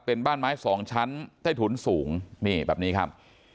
เป็นบ้านไม้สองชั้นใต้ถุนสูงนี่แบบนี้ครับ